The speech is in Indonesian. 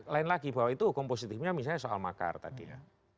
lain lagi bahwa itu hukum positifnya misalnya soal makar tadi ya